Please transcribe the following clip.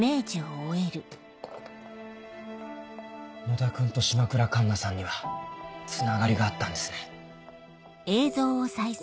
野田君と島倉栞奈さんにはつながりがあったんですね。